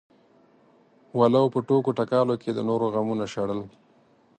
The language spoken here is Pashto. ولو په ټوکو ټکالو کې د نورو غمونه شړل.